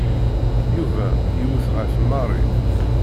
Yuba yewwet ɣef Mary.